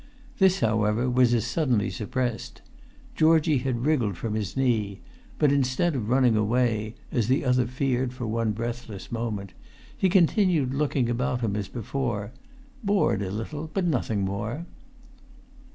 This, however, was as suddenly suppressed. Georgie had wriggled from his knee; but instead of running away (as the other feared for one breathless moment), he continued looking about him as before, bored a little, but nothing more.